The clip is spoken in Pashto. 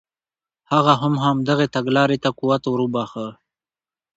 هغه هم همدغې تګلارې ته قوت ور وبخښه.